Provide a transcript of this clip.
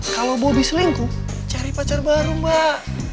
kalau bobi selingkuh cari pacar baru mbak